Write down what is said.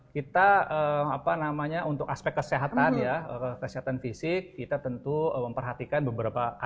kita apa namanya untuk aspek kesehatan ya kesehatan fisik kita tentu memperhatikan beberapa aspek